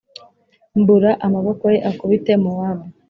mbura amaboko ye akubite mowabu